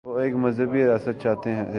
وہ ایک مذہبی ریاست چاہتے تھے؟